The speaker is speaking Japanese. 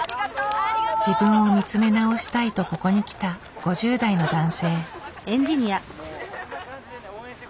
自分を見つめ直したいとここに来た５０代の男性。